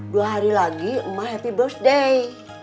dua hari lagi emak happy birthday